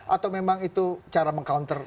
atau memang itu cara meng counter